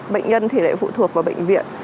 bệnh nhân thì lại phụ thuộc vào bệnh viện